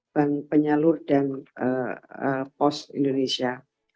bank penyalur dan pos indonesia